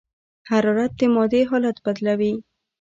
حرارت د مادې حالت بدلوي.